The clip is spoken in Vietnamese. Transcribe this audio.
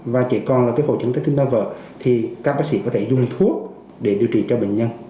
và trẻ con là hội chứng tim tan vỡ thì các bác sĩ có thể dùng thuốc để điều trị cho bệnh nhân